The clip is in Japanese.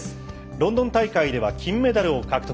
ロンドン大会では金メダルを獲得。